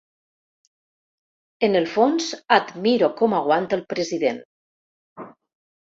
En el fons admiro com aguanta el president.